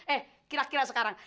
eh kira kira sekarang